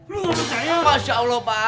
lu gak percaya